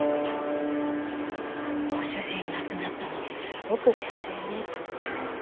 ご主人亡くなったのにすごく冷静ね。